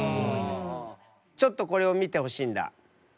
ちょっとこれを見てほしいんだ。